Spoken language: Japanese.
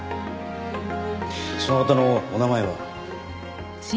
その方のお名前は？